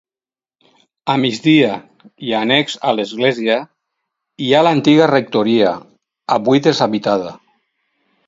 A migdia, i annex a l'església, hi ha l'antiga rectoria, avui deshabitada.